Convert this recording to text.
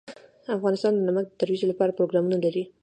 افغانستان د نمک د ترویج لپاره پروګرامونه لري.